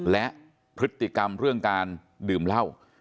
และพฤติกรรมเรื่องการดื่มเหล้า